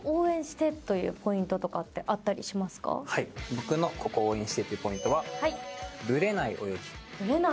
僕のここを応援してというポイントはぶれない泳ぎ。